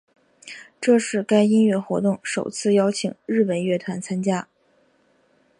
这是该音乐活动首次邀请日本乐团参加。